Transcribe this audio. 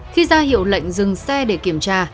khi ra hiệu lệnh dừng xe để kiểm tra